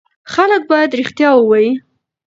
خلک باید رښتیا ووایي.